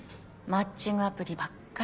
マッチングアプリばっかり。